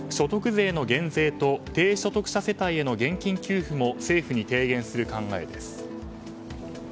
また、所得税の減税と低所得者世帯への現金給付も政府に提言する考えです。